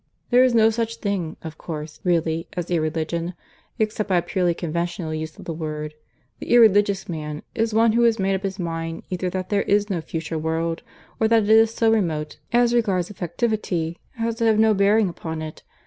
There is no such thing, of course, really as Irreligion except by a purely conventional use of the word: the 'irreligious' man is one who has made up his mind either that there is no future world, or that it is so remote, as regards effectivity, as to have no bearing upon this.